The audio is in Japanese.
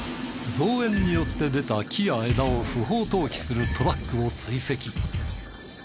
造園によって出た木や枝を不法投棄するトラックを追跡。